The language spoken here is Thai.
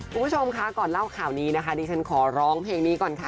คุณผู้ชมคะก่อนเล่าข่าวนี้นะคะดิฉันขอร้องเพลงนี้ก่อนค่ะ